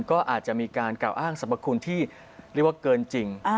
ก็อาจจะมีการกล่าวอ้างสรรพคุณที่เรียกว่าเกินจริง